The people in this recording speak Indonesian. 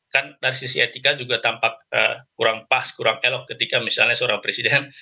kan dari sisi etika juga tampak kurang pas kurang elok ketika misalnya seorang presiden